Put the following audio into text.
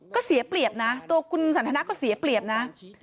ก็เสียเปรียบนะตัวคุณสันทนาก็เสียเปรียบนะ